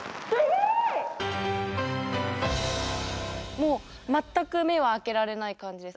もう全く目を開けられない感じです。